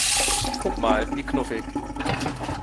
Guck mal, wie knuffig!